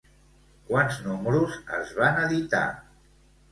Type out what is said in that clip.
Quants números es van editar?